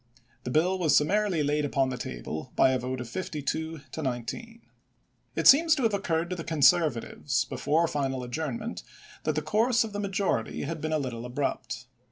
The bill was summarily laid upon the table by a vote of 52 to 19. It seems to have occurred to the Conservatives, before final adjournment, that the course of the majority had been a little abrupt.